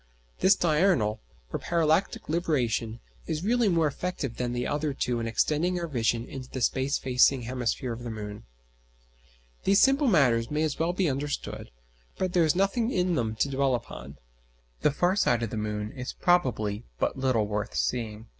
This diurnal or parallactic libration is really more effective than the other two in extending our vision into the space facing hemisphere of the moon. These simple matters may as well be understood, but there is nothing in them to dwell upon. The far side of the moon is probably but little worth seeing.